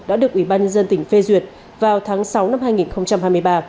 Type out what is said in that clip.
đã được ủy ban nhân dân tỉnh phê duyệt vào tháng sáu năm hai nghìn hai mươi ba